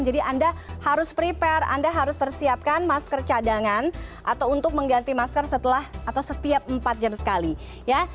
jadi anda harus prepare anda harus persiapkan masker cadangan atau untuk mengganti masker setelah atau setiap empat jam sekali ya